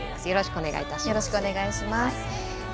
よろしくお願いします。